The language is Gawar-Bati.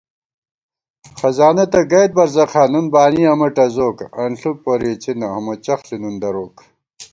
خزانہ تہ گئیت برزَخاں نُن بانی امہ ٹزوک * انݪُک پوری اِڅِنہ امہ چَخݪی نُن دروک